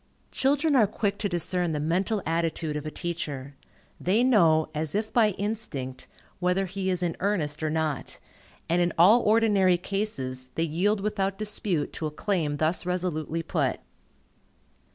Children are quick to discern the mental attitude of a teacher. They know, as if by instinct, whether he is in earnest or not, and in all ordinary cases they yield without dispute to a claim thus resolutely put.